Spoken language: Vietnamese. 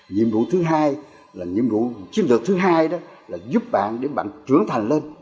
nhiệm vụ thứ hai là nhiệm vụ chiến lược thứ hai đó là giúp bạn để bạn trưởng thành lên